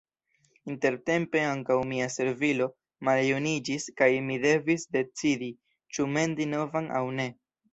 Intertempe ankaŭ mia servilo maljuniĝis kaj mi devis decidi ĉu mendi novan aŭ ne.